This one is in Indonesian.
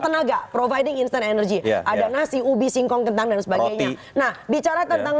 tenaga providing instant energy ada nasi ubi singkong kentang dan sebagainya nah bicara tentang